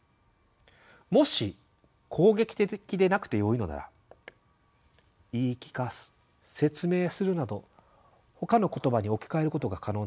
もし攻撃的でなくてよいのなら「言い聞かす」「説明する」などほかの言葉に置き換えることが可能なはずです。